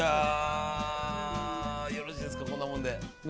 よろしいですか、こんなもんで。